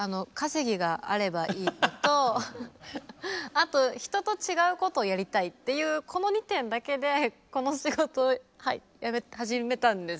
あと「人と違うことをやりたい」っていうこの２点だけでこの仕事始めたんですね。